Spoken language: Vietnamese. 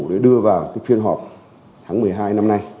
để đưa vào cái phiên họp tháng một mươi hai năm nay